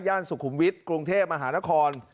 สุขุมวิทย์กรุงเทพมหานคร